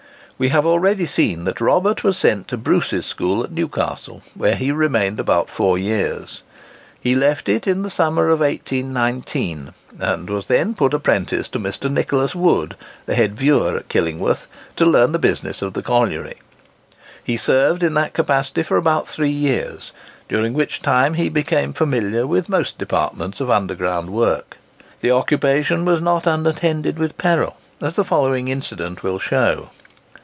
We have already seen that Robert was sent to Bruce's school at Newcastle, where he remained about four years. He left it in the summer of 1819, and was then put apprentice to Mr. Nicholas Wood, the head viewer at Killingworth, to learn the business of the colliery. He served in that capacity for about three years, during which time he became familiar with most departments of underground work. The occupation was not unattended with peril, as the following incident will show.